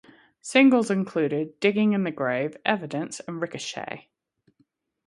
Singles included "Digging the Grave", "Evidence", and "Ricochet".